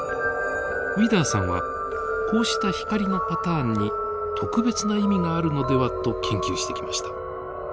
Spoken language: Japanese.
ウィダーさんはこうした光のパターンに特別な意味があるのではと研究してきました。